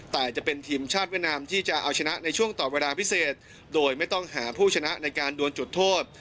แต่จะเป็นทีมชาติเวียดนามที่จะเอาชนะในช่วงต่อเวลาพิเศษโดยไม่ต้องหาผู้ชนะในการดวนจุดโทษ